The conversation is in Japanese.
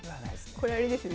これあれですね